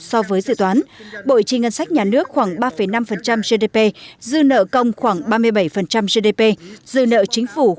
so với dự toán bội trì ngân sách nhà nước khoảng ba năm gdp dư nợ công khoảng ba mươi bảy gdp dư nợ chính phủ